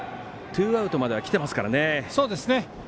ツーアウトまではきてますからね。